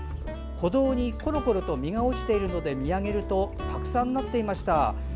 歩道に、ころころと実が落ちているので見上げるとたくさんなっていました。